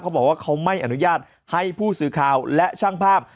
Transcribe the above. เขาบอกว่าเขาไม่อนุญาตให้ผู้สื่อข่าวและช่างภาพ